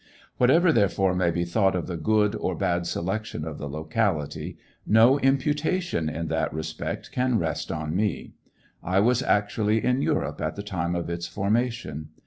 Whatever, therefore, may be thought of the good oi bad selection of the locality, no imputation in that respect can rest on me. 1 was actually in Europe at the time of its formation.